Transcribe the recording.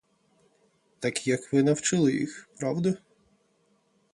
Так, як ви навчили їх, правда?